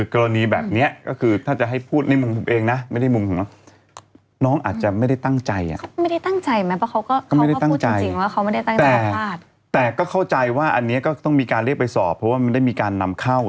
ก็เรียกชั่งไฟมา